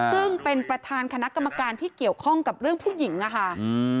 ซึ่งเป็นประธานคณะกรรมการที่เกี่ยวข้องกับเรื่องผู้หญิงอะค่ะอืม